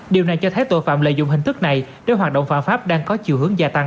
điều này cho thấy tội phạm lợi dụng hình thức này để hoạt động phạm pháp đang có chiều hướng gia tăng